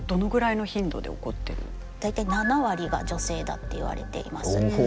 大体７割が女性だって言われています。